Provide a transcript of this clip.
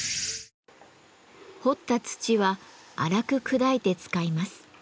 掘った土は荒く砕いて使います。